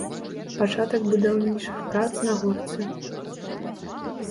Пачатак будаўнічых прац на горцы.